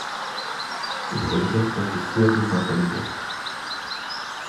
Ich denke, dass dies wirklich notwendig ist.